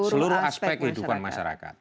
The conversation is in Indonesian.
seluruh aspek kehidupan masyarakat